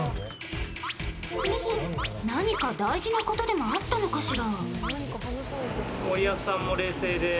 何か大事なことでもあったのかしら？